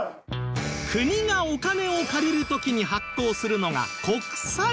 国がお金を借りる時に発行するのが国債